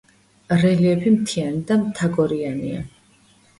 რელიეფი მთიანი და მთაგორიანია.